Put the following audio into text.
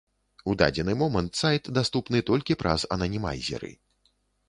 У дадзены момант сайт даступны толькі праз ананімайзеры.